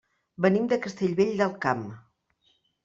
Venim de Castellvell del Camp.